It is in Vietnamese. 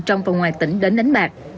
trong và ngoài tỉnh đến đánh bạc